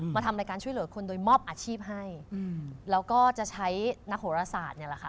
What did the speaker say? ทำรายการช่วยเหลือคนโดยมอบอาชีพให้แล้วก็จะใช้นักโหรศาสตร์เนี่ยแหละค่ะ